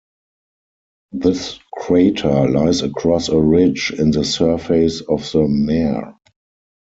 This crater lies across a ridge in the surface of the mare.